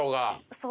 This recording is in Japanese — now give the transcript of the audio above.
そう。